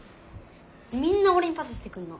みんなおれにパスしてくんの。